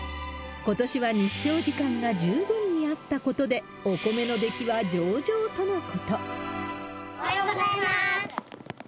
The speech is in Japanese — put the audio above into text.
ことしは日照時間が十分にあったことで、お米の出来は上々とのこおはようございます。